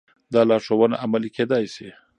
دا لارښوونه عملي کېدای شي.